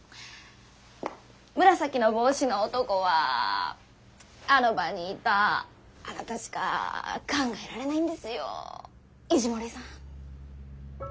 紫の帽子の男はあの場にいたあなたしか考えられないんですよ石森さん。